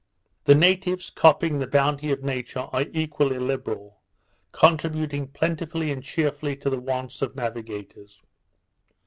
The natives, copying the bounty of Nature, are equally liberal; contributing plentifully and cheerfully to the wants of navigators.